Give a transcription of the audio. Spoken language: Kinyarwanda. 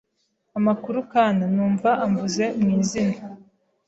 Amakuru kana, numva amvuze mu izina